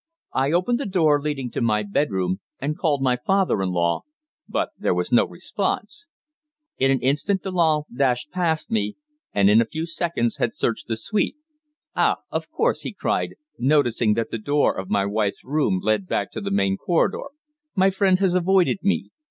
I opened the door leading to my bedroom, and called my father in law, but there was no response. In an instant Delanne dashed past me, and in a few seconds had searched the suite. "Ah, of course!" he cried, noticing that the door of my wife's room led back to the main corridor; "my friend has avoided me.